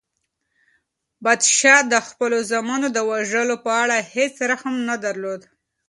پادشاه د خپلو زامنو د وژلو په اړه هیڅ رحم نه درلود.